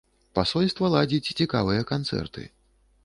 Пасольства ладзіць цікавыя канцэрты.